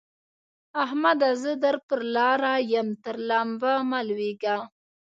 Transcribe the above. احمده! زه در پر لاره يم؛ تر لمبه مه لوېږه.